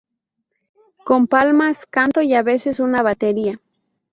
Con palmas, canto y a veces una batería.